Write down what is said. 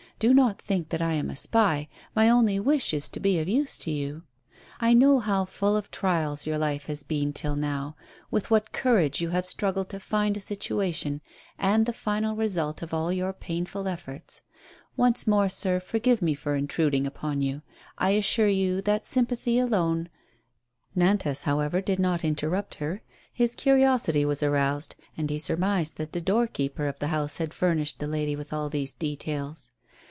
Do not think that I am a spy; my only wish is to be of use to you. I know how full of trials your life has been till now, with what courage you have struggled to find a situation, and the final result of all your painful efforts. Once more, sir, forgive me for intruding upon you. I assure you that sympathy alone " Nantas, however, did not interrupt her; his curiosity was aroused, and he surmised that the doorkeeper of the house had furnished the lady with all these details.